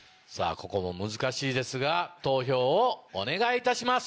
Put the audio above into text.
ここも難しいですが投票をお願いいたします。